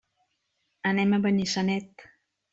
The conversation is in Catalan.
Anem a Benissanet.